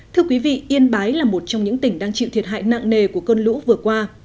thưa quý vị yên bái là một trong những tỉnh đang chịu thiệt hại nặng nề của cơn lũ vừa qua